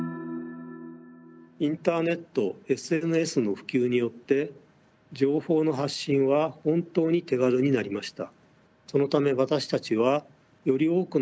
インターネットＳＮＳの普及によって情報の発信は本当に手軽になりました。